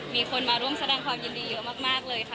มีคนมาร่วมแสดงความยินดีเยอะมากเลยค่ะ